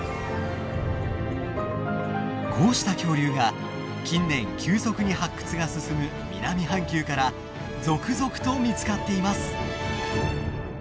こうした恐竜が近年急速に発掘が進む南半球から続々と見つかっています。